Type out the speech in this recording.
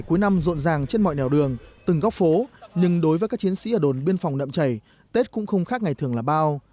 cuối năm rộn ràng trên mọi nẻo đường từng góc phố nhưng đối với các chiến sĩ ở đồn biên phòng nậm chảy tết cũng không khác ngày thường là bao